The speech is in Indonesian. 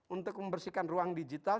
untuk membersihkan ruang digital